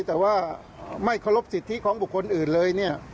แต่ว่าไม่เคารพสิทธิของบุคคลอื่นเลยเนี่ย